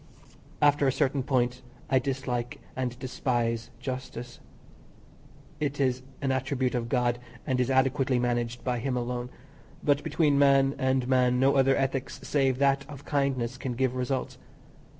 After a certain point I dislike and despise justice. It is an attribute of God, and is adequately managed by Him alone; but between man and man no other ethics save that of kindness can give results.